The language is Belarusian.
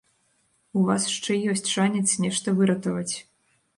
У вас шчэ ёсць шанец нешта выратаваць.